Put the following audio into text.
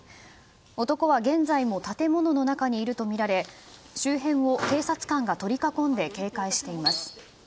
男は現在も建物中にいるとみられ周辺を警察官が取り囲んで警戒しています。